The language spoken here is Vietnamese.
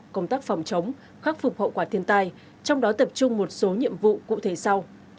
công tác phòng chống khắc phục hậu quả thiên tai trong đó tập trung một số nhiệm vụ cụ thể sau